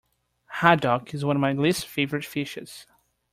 Haddock is one of my least favourite fishes